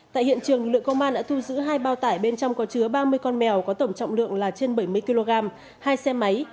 tại hiện trường lực lượng công an đã thu giữ hai bao tải bên trong có chứa ba mươi con mèo có tổng trọng lượng là trên bảy mươi kg hai xe máy